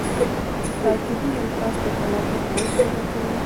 تاکېدي الفاظ په کلام کې قوت پیدا کوي.